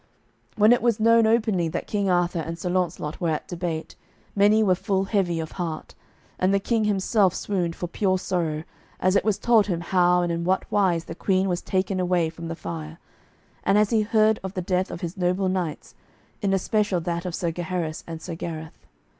When it was known openly that King Arthur and Sir Launcelot were at debate, many were full heavy of heart, and the King himself swooned for pure sorrow, as it was told him how and in what wise the Queen was taken away from the fire, and as he heard of the death of his noble knights, in especial that of Sir Gaheris and Sir Gareth.